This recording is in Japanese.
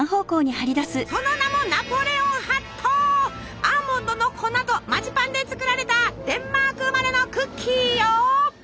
その名もアーモンドの粉とマジパンで作られたデンマーク生まれのクッキーよ。